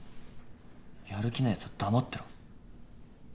やる気ないやつは黙ってろ。